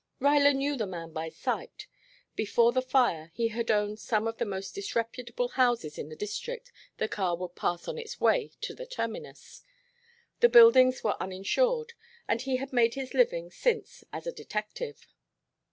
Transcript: Ruyler knew the man by sight. Before the fire he had owned some of the most disreputable houses in the district the car would pass on its way to the terminus. The buildings were uninsured, and he had made his living since as a detective.